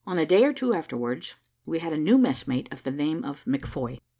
A day or two afterwards, we had a new messmate of the name of McFoy.